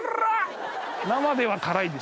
生では辛いです。